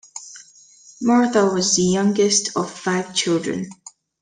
Martha was the youngest of five children.